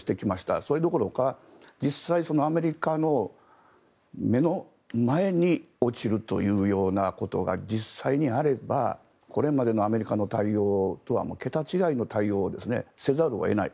それどころか実際、アメリカの目の前に落ちるということが実際にあればこれまでのアメリカの対応とは桁違いの対応をせざるを得ない。